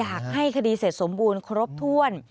อยากให้คดีเสร็จสมบูรณ์ครบถ้วน